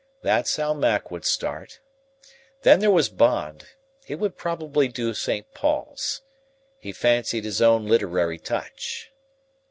That's how Mac would start. Then there was Bond; he would probably do St. Paul's. He fancied his own literary touch.